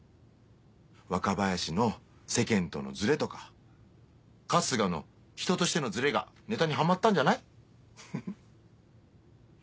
若林の世間とのズレとか春日の人としてのズレがネタにはまったんじゃない？